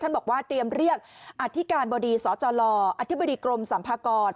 บอกว่าเตรียมเรียกอธิการบดีสจลอธิบดีกรมสัมภากร